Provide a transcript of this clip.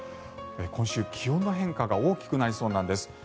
今週、気温の変化が大きくなりそうなんです。